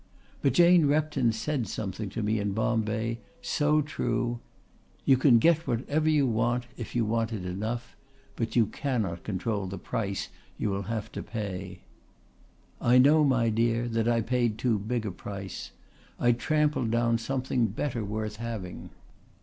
But Jane Repton said something to me in Bombay so true you can get whatever you want if you want it enough, but you cannot control the price you will have to pay. I know, my dear, that I paid too big a price. I trampled down something better worth having."